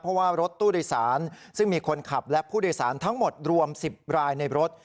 เพราะว่ารถตู้โดยสารซึ่งมีคนขับและผู้โดยสารทั้งหมดรวม๑๐รายในรถ